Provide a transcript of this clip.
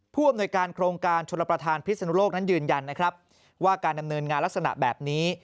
ผู้อำนวยการโครงการชนประธานพิศนุโลกนั้นยืนยันนะครับว่าการดำเนินงานลักษณะแบบนี้